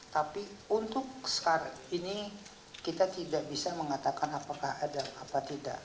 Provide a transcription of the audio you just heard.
tapi untuk sekarang ini kita tidak bisa mengatakan apakah ada apa tidak